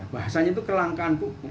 bahasanya itu kelangkaan pupuk